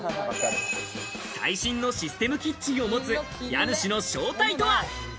最新のシステムキッチンを持つ家主の正体とは？